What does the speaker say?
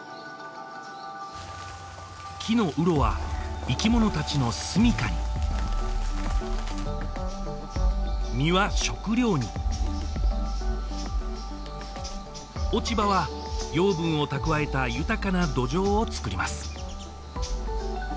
木のうろは生き物達のすみかに実は食料に落ち葉は養分を蓄えた豊かな土壌を作ります